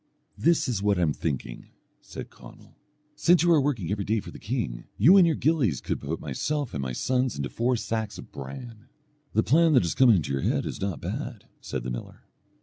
"This is what I am thinking," said Conall, "since you are working every day for the king, you and your gillies could put myself and my sons into four sacks of bran." "The plan that has come into your head is not bad," said the miller.